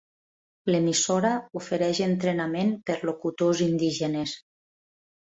L'emissora ofereix entrenament per locutors indígenes.